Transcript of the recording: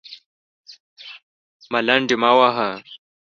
_ملنډې مه وهه!